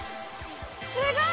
すごい！